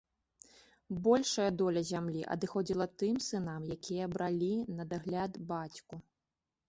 Большая доля зямлі адыходзіла тым сынам, якія бралі на дагляд бацьку.